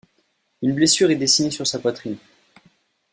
Une blessure est dessinée sur sa poitrine.